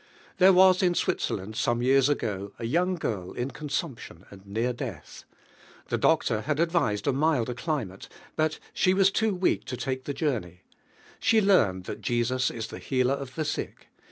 There was in Switzerland, some years ago, a young girt in consumption and near death. The doctor had advised a milder climate, but she was too weak to take the journey. She learned that Jesus is the Healer of tie sick.